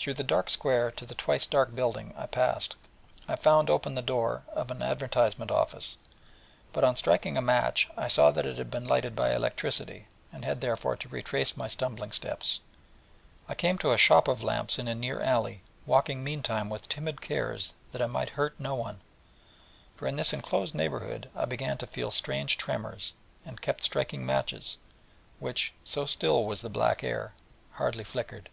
Through the dark square to the twice dark building I passed, and found open the door of an advertisement office; but on striking a match, saw that it had been lighted by electricity, and had therefore to retrace my stumbling steps, till I came to a shop of lamps in a near alley, walking meantime with timid cares that I might hurt no one for in this enclosed neighbourhood I began to feel strange tremors, and kept striking matches, which, so still was the black air, hardly flickered.